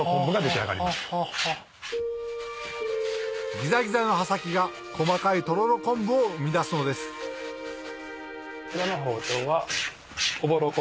ギザギザの刃先が細かいとろろ昆布を生み出すのですこちらの包丁は。